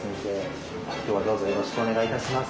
今日はどうぞよろしくお願いいたします。